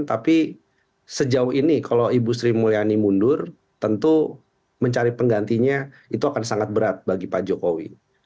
tapi sejauh ini kalau ibu sri mulyani mundur tentu mencari penggantinya itu akan sangat berat bagi pak jokowi